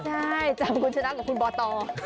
ใช่จำคุณชนะกับคุณบอต